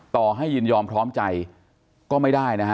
ต่อให้ยินยอมพร้อมใจก็ไม่ได้นะฮะ